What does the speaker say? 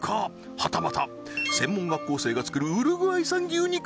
はたまた専門学校生が作るウルグアイ産牛肉か？